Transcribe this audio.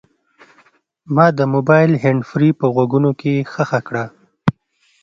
ما د موبایل هینډفري په غوږونو کې ښخه کړه.